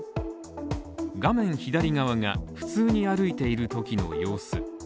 画面左側が普通に歩いているときの様子。